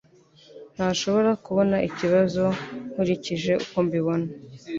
Ntashobora kubona ikibazo nkurikije uko mbibona.